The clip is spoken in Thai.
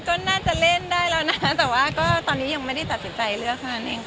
ก็น่าจะเล่นได้แล้วนะแต่ว่าก็ตอนนี้ยังไม่ได้ตัดสินใจเลือกเท่านั้นเองค่ะ